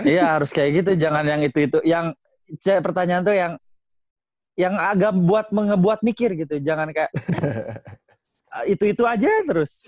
iya harus kayak gitu jangan yang itu itu yang pertanyaan tuh yang agak buat mengebuat mikir gitu jangan kayak itu itu aja terus